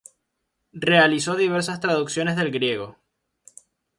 Realizó diversas traducciones del griego.